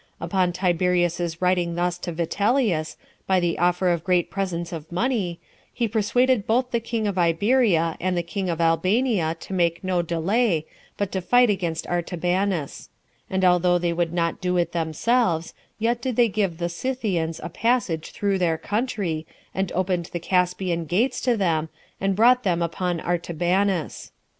Upon Tiberius's writing thus to Vitellius, by the offer of great presents of money, he persuaded both the king of Iberia and the king of Albania to make no delay, but to fight against Artabanus; and although they would not do it themselves, yet did they give the Scythians a passage through their country, and opened the Caspian gates to them, and brought them upon Artabanus.